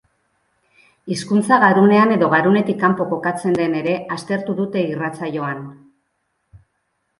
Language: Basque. Hizkuntza garunean edo garunetik kanpo kokatzen den ere aztertu dute irratsaioan.